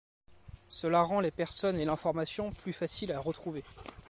Cela rend les personnes et l'information plus faciles à retrouver.